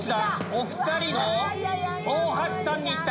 お２人の大橋さんにいった！